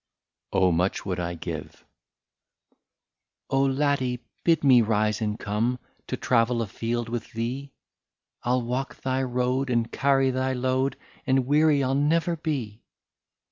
17 '' OH ! MUCH WOULD I GIVE." " Oh ! Laddie, bid me rise and come, To travel afield with thee ; I '11 walk thy road and carry thy load, And weary I '11 never be."